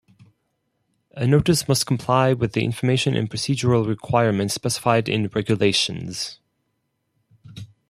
A notice must comply with the information and procedural requirements specified in regulations.